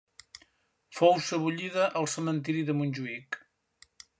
Fou sebollida al Cementiri de Montjuïc.